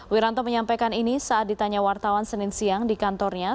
wiranto menyampaikan ini saat ditanya wartawan senin siang di kantornya